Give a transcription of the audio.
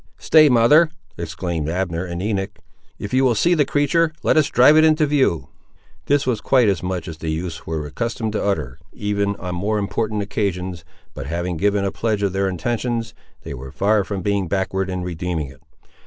"Stay, mother," exclaimed Abner and Enoch; "if you will see the creatur', let us drive it into view." This was quite as much as the youths were accustomed to utter, even on more important occasions, but having given a pledge of their intentions, they were far from being backward in redeeming it.